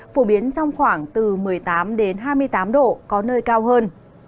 phổ biến trong khoảng từ một mươi tám hai mươi tám độ có nơi cao hơn